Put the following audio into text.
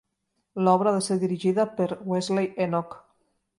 L'obra va ser dirigida per Wesley Enoch.